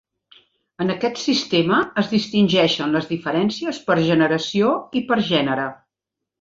En aquest sistema es distingeixen les diferències per generació i per gènere.